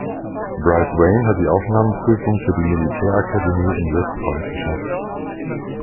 Brice Wayne hat die Aufnahmeprüfung für die Militärakademie in West Point geschafft.